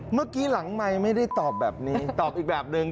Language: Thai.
เมื่อกี้หลังไมค์ไม่ได้ตอบแบบนี้ตอบอีกแบบนึง